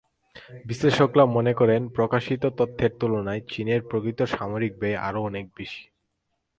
বিশ্লেষকেরা মনে করেন, প্রকাশিত তথ্যের তুলনায় চীনের প্রকৃত সামরিক ব্যয় আরও অনেক বেশি।